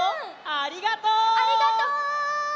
ありがとう！